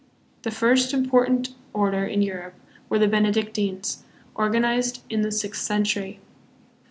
The first important order in Europe were the Benedictines, organized in the sixth century.